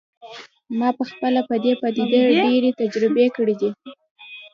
ما پخپله په دې پدیده ډیرې تجربې کړي دي